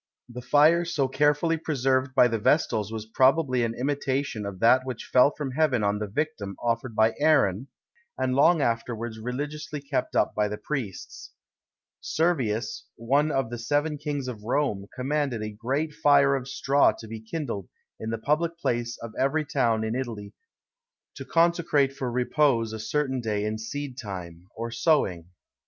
The fire so carefully preserved by the Vestals was probably an imitation of that which fell from heaven on the victim offered by Aaron, and long afterwards religiously kept up by the priests. Servius, one of the seven kings of Rome, commanded a great fire of straw to be kindled in the public place of every town in Italy to consecrate for repose a certain day in seed time, or sowing.